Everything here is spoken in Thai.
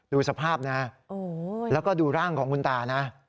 ดูสภาพนะแล้วก็ดูร่างของคุณตานะ